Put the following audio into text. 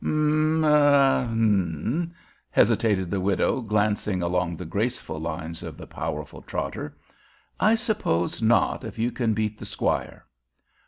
"Um er," hesitated the widow, glancing along the graceful lines of the powerful trotter, "I suppose not if you can beat the squire."